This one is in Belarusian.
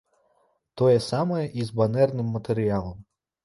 Тое самае і з банэрным матэрыялам.